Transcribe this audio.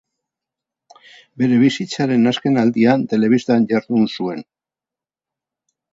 Bere bizitzaren azkenaldian telebistan jardun zuen.